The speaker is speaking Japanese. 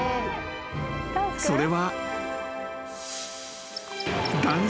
［それは］